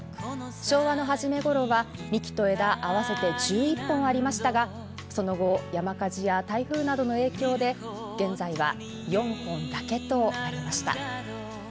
昭和の初めごろは幹と枝合わせて１１本ありましたがその後、山火事や台風などの影響で現在は４本だけとなりました。